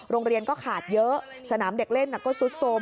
โรงเรียนก็ขาดเยอะสนามเด็กเล่นก็ซุดโทรม